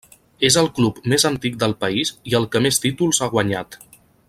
És el club més antic del país i el que més títols ha guanyat.